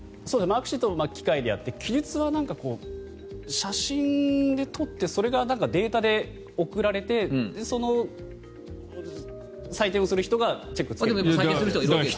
マークシートは機械でやって、記述は写真で撮ってそれがデータで送られてその採点をする人がチェックつける。